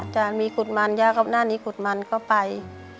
จะมีขุดมันย่ากับหน้านี้ขุดมันก็ไป